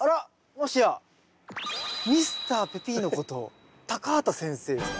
もしやミスターペピーノこと畑先生ですか？